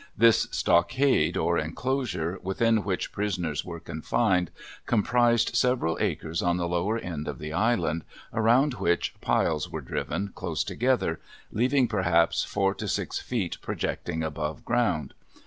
This stockade, or inclosure, within which prisoners were confined, comprised several acres on the lower end of the Island, around which piles were driven, close together, leaving perhaps four to six feet projecting above ground.